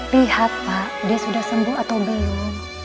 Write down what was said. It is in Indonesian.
lihat pak dia sudah sembuh atau belum